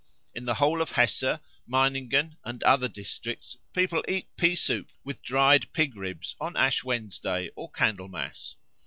In the whole of Hesse, Meiningen, and other districts, people eat pea soup with dried pig ribs on Ash Wednesday or Candlemas.